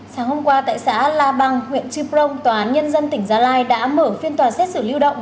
sáng hôm qua tại xã la bằng huyện trư prong tòa án nhân dân tỉnh gia lai đã mở phiên tòa xét xử lưu động